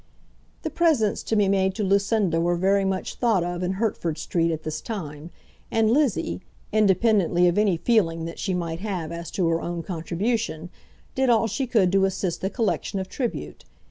The presents to be made to Lucinda were very much thought of in Hertford Street at this time, and Lizzie, independently of any feeling that she might have as to her own contribution, did all she could to assist the collection of tribute.